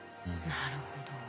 なるほど。